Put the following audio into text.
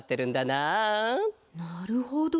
なるほど。